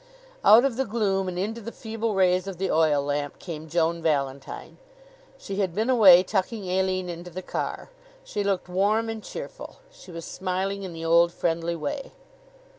Out of the gloom and into the feeble rays of the oil lamp came Joan Valentine. She had been away, tucking Aline into the car. She looked warm and cheerful. She was smiling in the old friendly way.